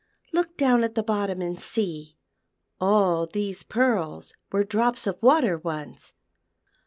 Look down at the bottom and see. All these pearls were drops of water once."